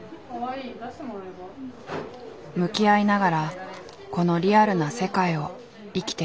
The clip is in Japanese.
向き合いながらこのリアルな世界を生きていく。